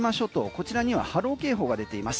こちらには波浪警報が出ています。